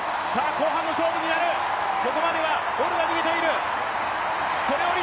後半の勝負になる、ここまではボルが逃げている。